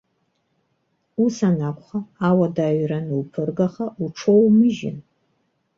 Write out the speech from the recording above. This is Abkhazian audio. Ус анакәха, ауадаҩра ануԥыргаха, уҽоумыжьын.